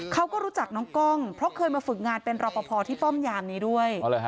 เขาก็รู้จักน้องกล้องเพราะเคยมาฝึกงานเป็นรอปภที่ป้อมยามนี้ด้วย